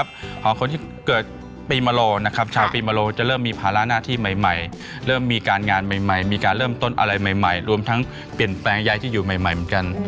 ต่อไปคนที่เกิดปีที่เปล่าอยู่เราเริ่มมีการงานใหม่รวมทางเปลี่ยนแปลงใยที่อยู่ใหม่มากัน